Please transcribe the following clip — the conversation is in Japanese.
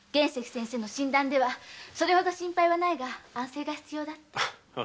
先生の診断では心配ないが安静が必要だって。